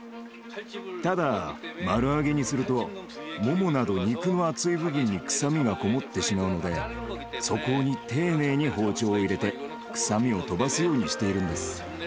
ただ丸揚げにするとモモなど肉の厚い部分に臭みがこもってしまうのでそこに丁寧に包丁を入れて臭みを飛ばすようにしているんです。